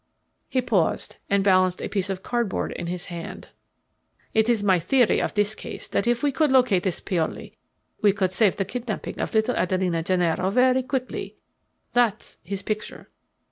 He paused, and balanced a piece of cardboard in his hand. "It is my theory of this case that if we could locate this Paoli we could solve the kidnapping of little Adelina Gennaro very quickly. That's his picture."